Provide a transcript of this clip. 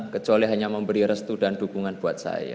kecuali hanya memberi restu dan dukungan buat saya